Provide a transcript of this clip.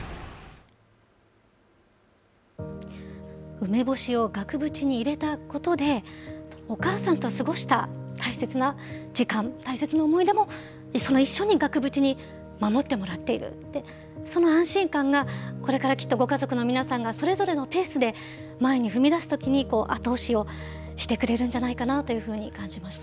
梅干しを額縁に入れたことで、お母さんと過ごした大切な時間、大切な思い出も一緒に額縁に守ってもらっているって、その安心感が、これからきっとご家族の皆さんがそれぞれのペースで前に踏み出すときに後押しをしてくれるんじゃないかなというふうに感じました。